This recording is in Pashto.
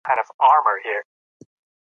څنګه تمرین د بدن غوړ سوځولو کې مرسته کوي؟